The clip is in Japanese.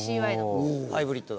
ハイブリッドだ。